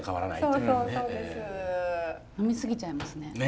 呑み過ぎちゃいますね。